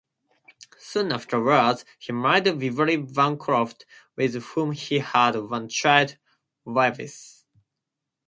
Soon afterwards, he married Beverly Bancroft, with whom he had one child, Yves.